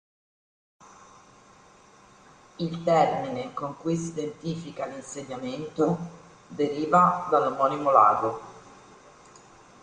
Il termine con cui si identifica l’insediamento deriva dall’omonimo lago.